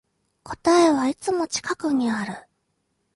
答えはいつも近くにある